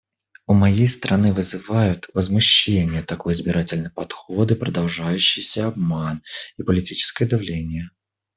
У моей страны вызывают возмущение такой избирательный подход и продолжающиеся обман и политическое давление.